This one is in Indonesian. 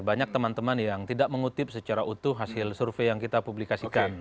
banyak teman teman yang tidak mengutip secara utuh hasil survei yang kita publikasikan